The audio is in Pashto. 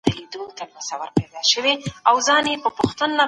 زده کړه د هر انسان اساسي او بنيادي حق دی.